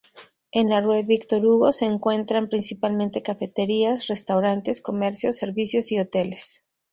En la Rue Victor-Hugo se encuentran principalmente cafeterías, restaurantes, comercios, servicios y hoteles.